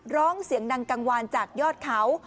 ร้องเสียงดังกังวานจากยอดเขา